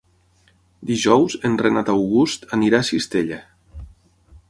Dijous en Renat August anirà a Cistella.